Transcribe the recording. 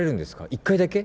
１回だけ？